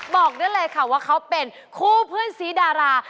บอกได้เลยค่ะว่าเขาเป็นคู่เพื่อนซีดารา